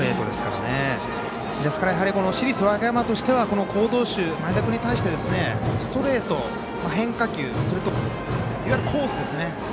ですからやはり市立和歌山としては好投手、前田君に対してストレート、変化球それといわゆるコースですね。